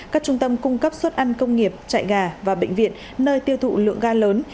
các trung tâm cung cấp suất ăn công nghiệp chạy ga và bệnh viện nơi tiêu thụ lượng ga lớn